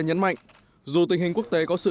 nhấn mạnh dù tình hình quốc tế có sự